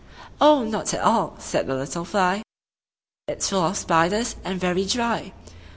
"Oh, not at all!" said the little fly; "It's full of spiders, and very dry!"